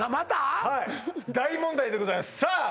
はい大問題でございますさあ